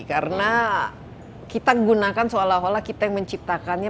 karena kita gunakan seolah olah kita yang menciptakannya